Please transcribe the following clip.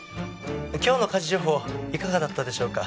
今日の家事情報いかがだったでしょうか？